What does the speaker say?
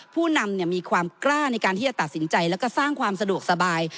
ผู้นำมีความกล้าในการที่จะตัดสินใจแล้วก็สร้างความสะดวกสบาย